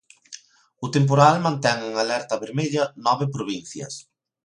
O temporal mantén en alerta vermella nove provincias.